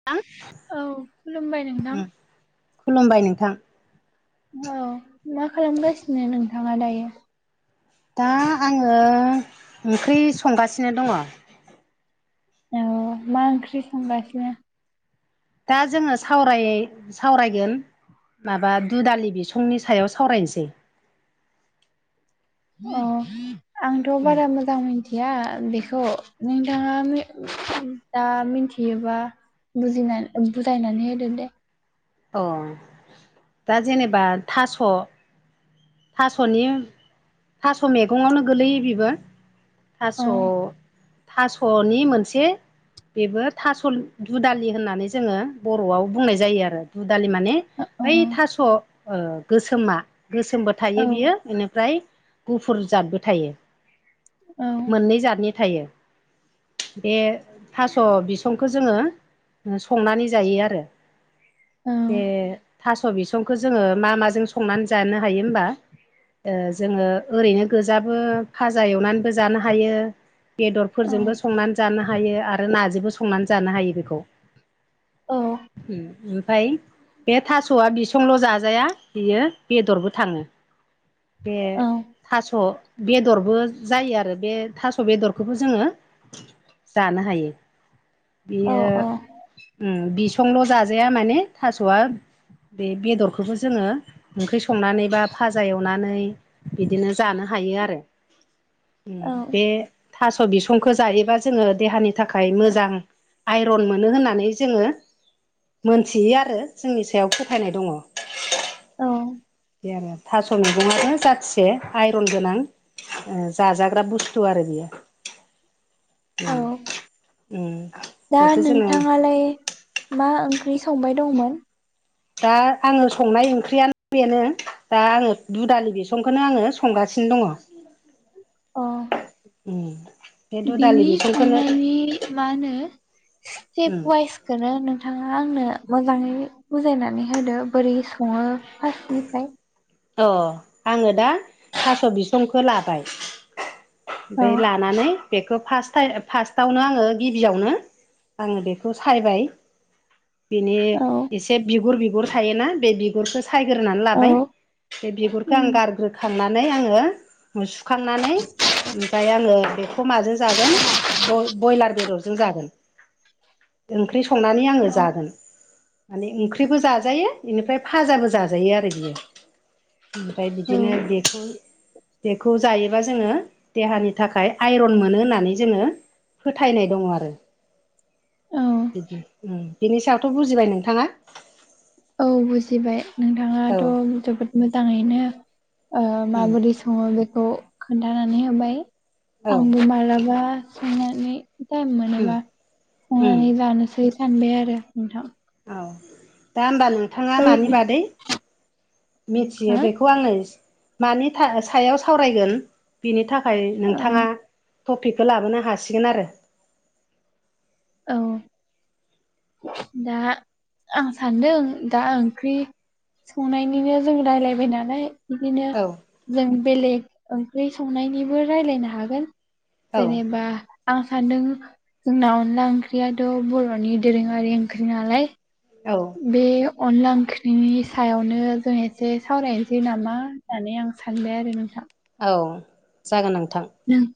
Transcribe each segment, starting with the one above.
[inaudible] औ खुलुमबाय नोंथां खुलुमबाय नोंथां औ मा खालामगासिनो नोंथाङा दायो दा आङो ओंख्रै संगासिनो दङ। औ मा ओंख्रि संगासिनो दा जोङो सावरायगोन माबा दुदालि बिसंनि सायाव सावरायनोसै अ आंथ' बारा मोजां मोन थिया बेखौ नोंथाङा दा मिथियोबा बुजिनानै बुजायनानै होदो दे औ दा जेनेबा थास' थास'नि थास' मैगङावनो गोलैयो बेबो औ थास' थास'नि मोनसे बेबो थास' दुदालि होननानै जोङो बर'वाव बुंनाय जायो आरो दुदालि माने औ ओइ थास' ओ गोसोमा गोसोम औ थायो बियो इनिफ्राय गुफुर जादबो थायो औ मोननै जादनि थायो बे थास' बिसंखौ जोङो संनानै जायो आरो औ बे थास' बिसंखौ जोङो मा माजों संनानै जानो हायो होमबा ओ जोङो ओरैनो गोजाबो भाजा एवनानैबो जानो हायो बेदरफोरजोंबो संनानै जानो हायो आरो नाजोंबो संनानै जानो हायो बेखौ औ उम ओमफाय बे थास'आ बिसंल' जाजाया बियो बेदरबो थाङो बे औ थास' बेदरबो जायो आरो बे थास' बेदरखौबो जोङो जानो हायो बियो उम बिनसंल' जाजाया माने थास'आ बे बेदरखौबो जोङो ओंख्रि संनानै बा फाजा एवनानै बिदिनो जानो हायो आरो उम औ बे थास' बिसंखौ जायोबा जोङो देहानि थाखाय मोजां आइरन मोनो होननानै जोङो मोनथियो आरो जोंनि सायाव फोथायनाय दङ औ बे आरो थास' मैगङानो जाथिसे आइरन गोनां ओ जाजाग्रा बुस्थु आरो बियो औ उम उम दा बेखौ जोङो नोंथाङालाय मा ओंख्रि संबाय दंमोन दा आङो संनाय ओंख्रियानो बेनो दा आङो दुदालि बिसंखौनो आङो संगासिनो दङ अ उम बे दुदालि बिनि बेसंखौनो संनायनि मा होनो स्टेप उम वाइस बेखौनो नोंथाङा आंनो मोजाङै बुजायनानै होदो बोरै सङो फासनिफ्राय अ आङो दा थास' बिसंखौ लाबाय औ ओमफाय लानानै बेखौ फास फासटावनो आङो गिबियावनो आङो बेखौ सायबाय बिनि औ एसे बिगुर बिगुर थायोना बे बिगुरखौ सायग्रोनानै औ लाबाय बे बिगुरखौ आं उम गारग्रोखांनानै आङो सुखांनानै ओमफ्राय आङो बे खौ माजों जागोन ब्रयलार बेदरजों जागोन। ओंख्रि संनानै आङो औ जागोन माने ओंख्रिबो जाजायो बेनिफ्राय फाजाबो जाजायो आरो बियो। ओमफ्राय बिदिनो औ बेखौ जायोबा जोङो देहानि थाखाय आइरन मोनो होननानै जोङो फोथायनाय दङ आरो बिदि बिनि सायावथ' बुजिबाय नोंथाङा। औ बुजिबाय औ नोंथाङाथ' जोबोद मोजाङैनो ओ उम माबोरै सङो बेखौ खोन्थानानै होबाय। औ आंबो मालाबा संनानै टाइम उम मोनोबा उम संनानै जानोसै सानबाय आरो नोंथां। औ दा ओमबा नों नोंथाङा मानि ओरैनो बादै मिथियो हो बेखौ आङो मानि सायाव सावरायगोन बिनि थाखाय नोंथाङा औ टपिकखौ लाबोनो हासिगोन आरो औ दा आं सान्दों दा ओंख्रि संनायनिनो जों रायज्लायबाय नालाय बिदिनो औ जों बेलेग ओंख्रि संनायनिबो रायलायनो हागोन औ जेनेबा आं सानदों जोंनाव अनला ओंख्रियाथ' बर'नि दोरोङारि ओंख्रि नालाय औ बे अनला ओंख्रिनि सायावनो जों एसे सावरायनोसै नामा होननानै आं सानबाय आरो नोंथां औ जागोन नोंथां। नों [unintelligible]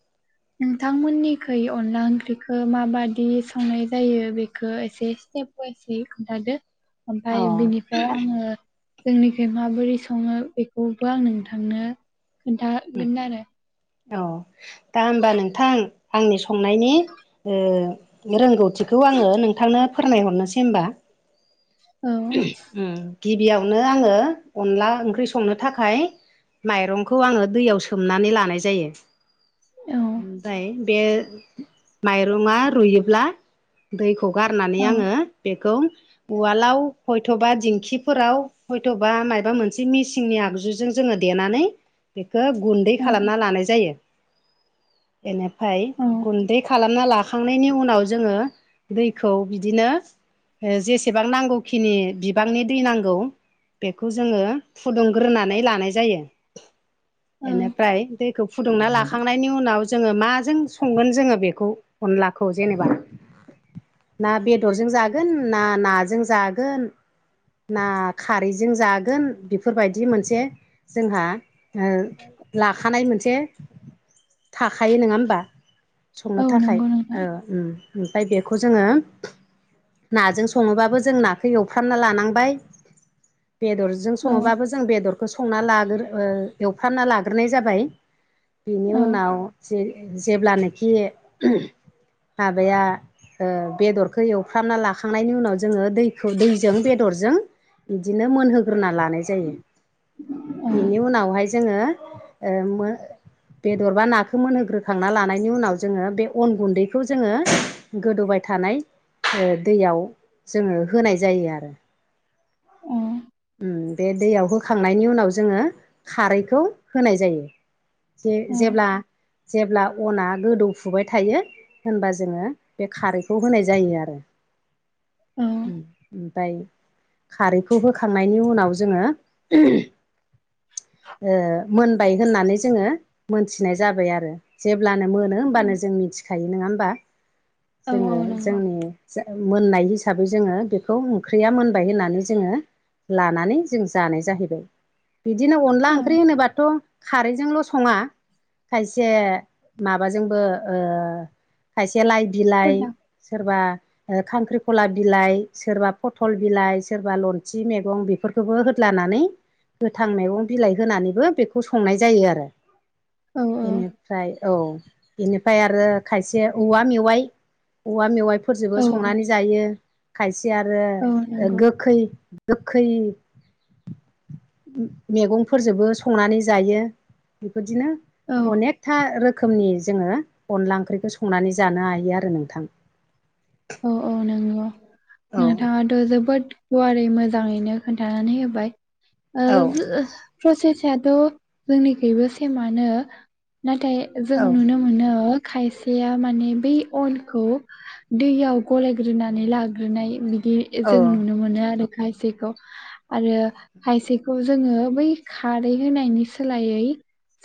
नोंथांमोननिखै अनला ओंख्रिखौ माबादि संनाय जायो बेखौ एसे स्टेप बेखौ एसे खोन्थादो औ ओमफ्राय बिनिफ्राय आङो जोंनिखै माबोरै सङो बेखौबो आं नोंथांनो खोन्थागोन आरो। औ दा होमबा नोंथां आंनि संनायनि रोंगौथिखौ आङो नोंथांनो फोरमायहरनोसै होनबा औ [inaudible] गिबियावनो आङो अनला ओंख्रि संनो थाखाय माइरंखौ आङो दैयाव सोमनानै लानाय जायो औ ओमफ्राय बे माइरंआ रुयोब्ला दैखौ गारनानै औ आङो बेखौ उवालाव हयथ'बा दिंखिफोराव हयथबा मायबा मोनसे मेसिनि आगजु जों जोङो देनानै बेखौ गुन्दै औ खालामना लानाय जायो। ओमफ्राय औ गुन्दै खालामना लाखांनायनि उनाव जोङो दैखौ बिदिनो जेसेबां नांगौखिनि बिबांनि दै नांगौ बेखौ जोङो फुदुंग्रोनानै लानाय जायो। औ बेनिफ्राय दैखौ फुदुंना लाखांनायनि उनाव जोङो माजों संगोन जोङो बेखौ अनलाख' जेनेबा ना बेदरजों जागोन ना नाजों जागोन ना खारैजों जागोन बेफोरबायदि मोनसे जोंहा लाखानाय मोनसे थाखायो नङा होमबा संनो औ थाखाय नंगौ औ नोंथां ओमफ्राय बेखौ जोङो नाजों सङोबाबो जों नाखौ एसे एवफ्रामना लानांबाय बेदरजों औ सङोबाबो जों जों बेदरखौ संना ला ओ एवफ्रामना लाग्रोनाय जाबाय बिनि औ उनाव ज जेब्लानोखि माबाया ओ बेदरखौ एवफ्रामना लाखांनायनि उनाव जोङो दैखौ दैजों बेदरजों बिदिनो मोनहोग्रोना लानाय जायो औ बेनि उनावहाय जोङो ओ [unintelligible] बेदरबा नाखौ मोनहोग्रोखांना लानायनि उनाव जोङो बे अन गुन्दैखौ जोङो गोदौबाय थानाय दैयाव जोङो होनाय जायो आरो अ बे दैयाव होखांनायनि उनाव जोङो खारैखौ होनाय जायो जे जेब्ला जेब्ला अना गोदौफुबाय थायो होनबा जोङो बे खारैखौ होनाय जायो आरो औ ओमफ्राय खारैखौ हो होखांनायनि उनाव जोङो मोनबाय होननानै जोङो मोनथिनाय जाबाय आरो जेब्लानो मोनो होमबानो जों मिथिखायो नङा होमबा औ औ जोङो नंगौ जोंनि जा मोननाय हिसाबै जोङो बेखौ ओंख्रिया मोनबाय होननानै जोङो लानानै जों जानाय जाहैबाय बिदिनो अनला औ ओंख्रि होनोबाथ' खारैजोंल' सङा खायसे माबाजोंबो ओ खायसे लाइ बिलाइ सदा सोरबा खांख्रिखला बिलाइ सोरबा फथल बिलाइ सोरबा लन सि मैगं बेफोरखौबो होदलानानै गोथां मैगं बिलाइ होनानैबो बेखौ संनाय जायो आरो औ औ बेनिफ्राय औ बेनिफ्राय आरो खायसे औवा मेवाइ औवा मेवाइफोरजोंबो औ संनानै जायो खायसे आरो औ नंगौ गोखै गोखै मैगंफोरजोंबो संनानै जायो बेफोरदिनो औ अनेक था रोखोमनि जोङो अनला ओंख्रिखौ संनानै जानो हायो आरो नोंथां औ औ नंगौ औ नोंथाङा ओ' जोबोद गुवारै मोजाङैनो खोन्थानानै होबाय औ ओ प्रसेसाथ' जोंनिखैबो सेमानो नाथाय जों औ नुनो मोनो खायसेया माने बै अनखौ दैयाव गलायग्रोनानै लाग्रोनाय बिदि औ जों नुनो मोनो आरो खायसेखौ आरो खायसेखौ जोङो बै खारै होनायनि सोलायै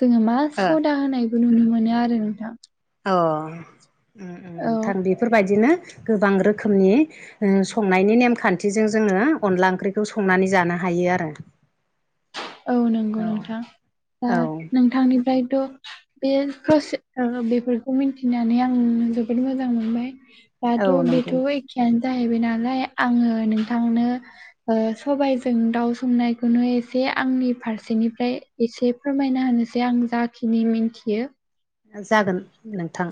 जोङो मा सदा होनायबो नुनो मोनो आरो नोंथां अ नोंथां उम उम औ नोंथां बेफोरबायदिनो गोबां रोखोमनि ओ संनायनि नेमखान्थिजों जोङो अनला ओंख्रिखौ संनानै जानो हायो आरो औ नंगौ औ नोंथां दा औ नोंथांनिफ्रायथ' बे प्रसे बेफोरखौ मिन्थिनानै आं जोबोद मोजां मोनबाय दाथ' औ नंगौ बेथ' एखेयानो जाहैबाय नालाय आङो नोंथांनो ओ सबाइजों दाउ संनायखौनो एसे एसे आंनि फारसेनिफ्राय एसे फोरमायना होनोसै आं जाखिनि मिन्थियो जागोन नोंथां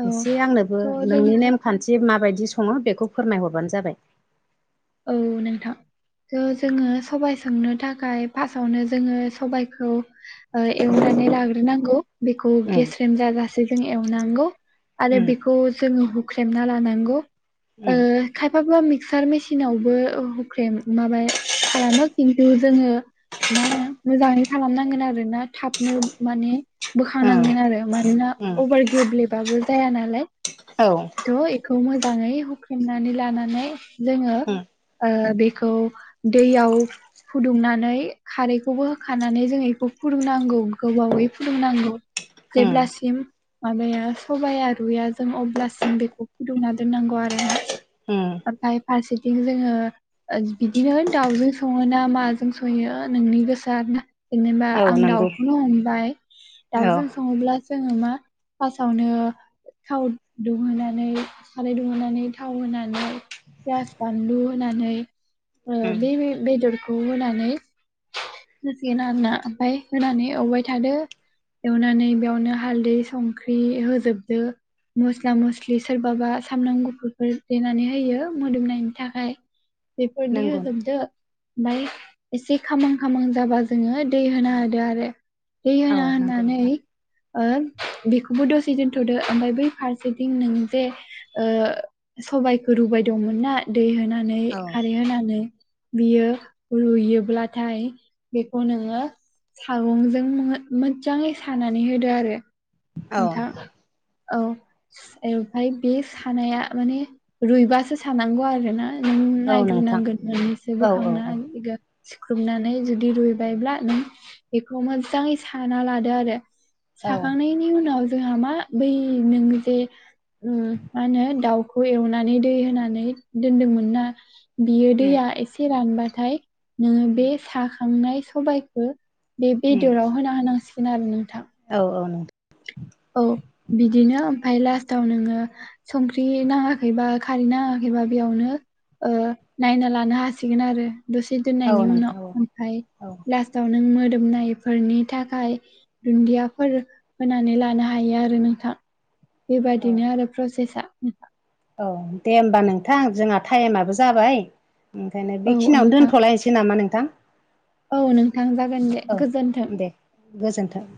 औ स' एसे आंनोबो जों नोंनि नेम खानथि माबायदि सङो बेखौ फोरमायहरबानो जाबाय औ नोंथां थ' जोङो सबाइ संनो थाखाय फार्स्टावनो जोङो सबाइखौ एवनानै लाग्रोनांगौ बेखौ उम गेस्रेम जाजासे जों एवनांगौ आरो उम बेखौ जोङो हुख्रेमना लानांगौ ओ ओम खायफाबा मिक्सार मेसिनावबो हख्रेम माबा खालामो खिनथु जोङो मा होनो मोजाङै खालामनांगोन आरोना थाबनो माने उम बोखांनांगोन आरो मानोना उम अभार गेब्लेबाबो जाया नालाय औ थ' बेखौ मोजाङै हुख्रेमनानै लानानै जोङो उम ओ बेखौ दैयाव फुदुंनानै खारैखौबो होखानानै जोङो बेखौ फुदुंनांगौ गोबावै फुदुंनांगौ उम जेब्लासिम माबाया सबाया रुया जों अब्लासिम बेखौ फुदुंना दोननांगौ आरोना उम ओमफाय फारसे थिं जोङो बिदिनो दावजों सङो ना माजों सङो नोंनि गोसो आरोना जेनेबा औ आं नंगौ दाउखौनो हमबाय औ दाउजों सङोब्ला जोङो मा फारसावनो थाव दुंहोनानै साराय दुंहोनानै थाव होनानै बानलु होनानै उम बे बेदरखौ होनानै जासिगोन आरोना ओमफ्राय होनानै एवबाय थादो एवनानै बेयावनो हालदै संख्रि होजोबदो। मस्ला मस्लि सोरबाबा सामब्राम गुफुरफोर देनानै होयो मोदोमनायनि थाखाय बेफोरनि नंगौ होजोबदो ओमफ्राय एसे खामहां खामहां जाबा जोङो दै होना होदो आरो। दै औ होना नंगौ होनानै नोंथां ओ बेखौबो दसे दोनथ'दो ओमफ्राय बै फारसेथिं नों जे ओ सबायाइखौ रुबाय दंमोन ना दै होनानै औ खारै होनानै बियो रुयोब्लाथाय बेखौ नोङो सागंजों मोजाङै सानानै होदो आरो। औ नोंथां औ ओमफ्राय बे सानाया माने रुइबासो सानांगौ आरोना। उम औ नोंथां नायग्रनांगोन होननानैसो औ औ औ बोखांनांगोन सिुख्रुबनानै जुदि रुइबायब्ला नों बेखौ मोजाङै साना लादो आरो। औ साखांनायनि उनाव जोंहा मा बै नों जे उम मा होनो दाउ खौ एवनानै दै होनानै दोनदोंमोन ना बियो उम दैया एसे रानबाथाय नोङो उम बे साखांनाय सबबायखौ बे उम बेदराव होना होनांसिगोन आरो नोंथां। औ औ नोंथां औ बिदिनो ओमफ्राय लास्टाव नोङो संख्रि नाङाखैबा खारै नाङाखैबा बेयावनो ओ नायना लानो हासिगोन आरो दसे औ दोननायनि उनाव नोंथां ओमफ्राय लास औ नों मोदोमनायफोरनि थाखाय दुन्दियाफोर होनानै ला नों हायो आरो नोंथां औ बेबायदिनो आरो प्रसेसा औ दे होमबा नोंथां जोंहा टाइमाबो जाबाय। ओंखायनो औ बेखिनियावनो नोंथां दोनथ'लायनोसै नामा नोंथां? औ नोंथां जागोन दे गोजोनथों। गोजोनथों